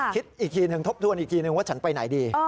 คิดอีกทีหนึ่งทบทวนอีกทีนึงว่าฉันไปไหนดี